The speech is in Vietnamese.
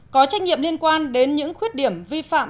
có trách nhiệm liên quan đến những khuyết điểm vi phạm